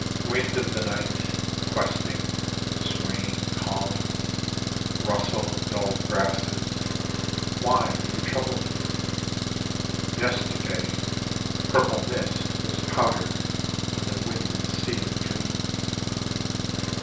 Wind of the night, Questing, swaying, calling, Rustle of dull grasses, Why do you trouble me? Yesterday Purple mist was powdered on the windless sea of dreams.